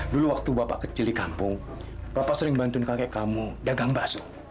dulu waktu bapak kecil di kampung bapak sering bantuin kakek kamu dagang bakso